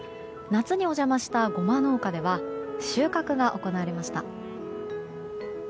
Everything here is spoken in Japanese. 夏にお邪魔したゴマ農家では収穫が行われました。